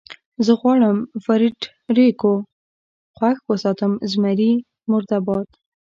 زه غواړم فرېډرېکو خوښ وساتم، زمري مرده باد.